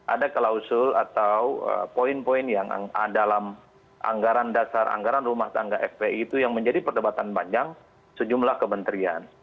ada klausul atau poin poin yang dalam anggaran dasar anggaran rumah tangga fpi itu yang menjadi perdebatan panjang sejumlah kementerian